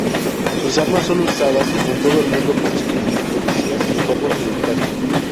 Sus armas son usadas en todo el mundo por civiles, policías y cuerpos militares.